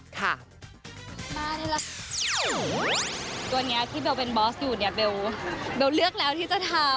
ตัวนี้ที่เบลเป็นบอสอยู่เบลเลือกแล้วที่จะทำ